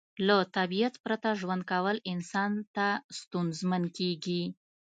له طبیعت پرته ژوند کول انسان ته ستونزمن کیږي